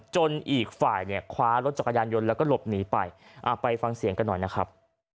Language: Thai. อีกฝ่ายเนี่ยคว้ารถจักรยานยนต์แล้วก็หลบหนีไปไปฟังเสียงกันหน่อยนะครับ